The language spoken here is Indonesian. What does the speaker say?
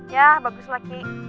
ya baguslah ki